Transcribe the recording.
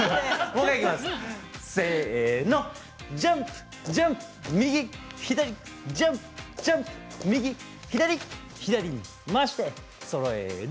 ジャンプ、ジャンプ右左ジャンプ、ジャンプ右左左に回してそろえる。